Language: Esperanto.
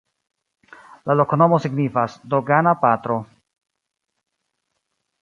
La loknomo signifas: dogana-patro.